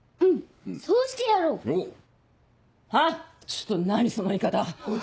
ちょっと何その言い方！